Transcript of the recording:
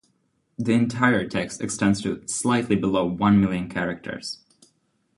The entire text extends to slightly below one million characters.